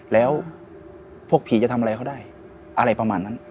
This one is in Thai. แล้วพวกผีจะทำอะไรเขาได้อะไรประมาณนั้น